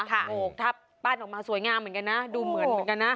โหงกทับปั้นออกมาสวยงามเหมือนกันนะดูเหมือนเหมือนกันนะ